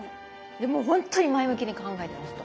でもうほんとに前向きに考えてますと。